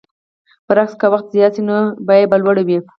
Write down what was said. برعکس که وخت زیات شي نو بیه به لوړه وي.